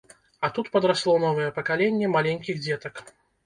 А тут падрасло новае пакаленне маленькіх дзетак.